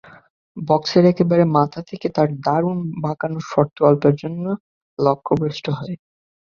বক্সের একেবারে মাথা থেকে তাঁর দারুণ বাঁকানো শটটি অল্পের জন্য লক্ষ্যভ্রষ্ট হয়।